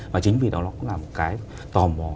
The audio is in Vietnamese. và chính vì đó nó cũng là một cái tò mò